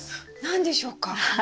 何でしょうか？